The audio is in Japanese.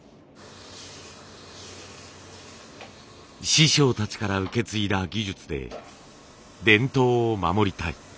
師匠たちから受け継いだ技術で伝統を守りたい。